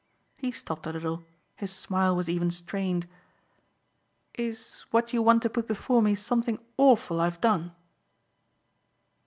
He stopped a little his smile was even strained. "Is what you want to put before me something awful I've done?"